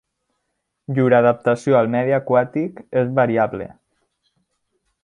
Llur adaptació al medi aquàtic és variable.